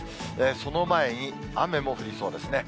その前に雨も降りそうですね。